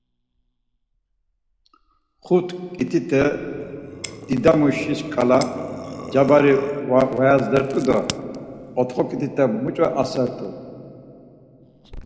Xut ǩitite didamuşi şǩala cabari var azdert̆u do otxo ǩitite muç̌o asert̆u?